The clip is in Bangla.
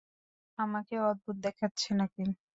আমকে অদ্ভুত দেখাচ্ছে নাকি?